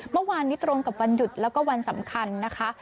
เมื่อวานนี้ตรงกับวันหยุดแล้วก็วันสำคัญนะคะ